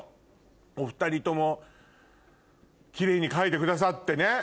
お２人ともキレイに描いてくださってね。